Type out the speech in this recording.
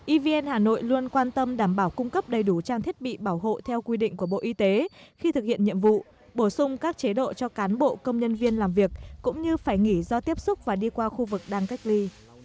evn hà nội luôn quan tâm đảm bảo cung cấp đầy đủ trang thiết bị bảo hộ theo quy định của bộ y tế khi thực hiện nhiệm vụ bổ sung các chế độ cho cán bộ công nhân viên làm việc cũng như phải nghỉ do tiếp xúc và đi qua khu vực đang cách ly